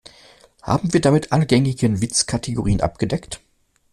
Haben wir damit alle gängigen Witzkategorien abgedeckt?